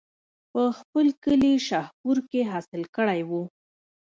پۀ خپل کلي شاهپور کښې حاصل کړے وو